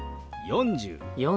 ４０。